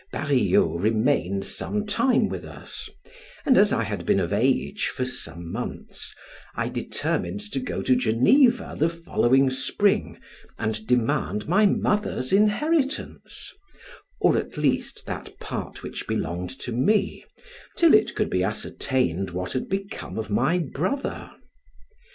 Barillot remained some time with us, and as I had been of age some months, I determined to go to Geneva the following spring, and demand my mother's inheritance, or at least that part which belonged to me, till it could be ascertained what had become of my brother.